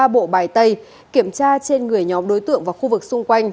ba bộ bài tay kiểm tra trên người nhóm đối tượng và khu vực xung quanh